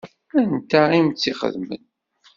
Anta i m-tt-ixedmen?